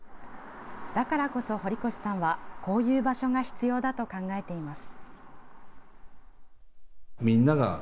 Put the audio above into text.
だからこそ堀越さんはこういう場所が必要だと考えています。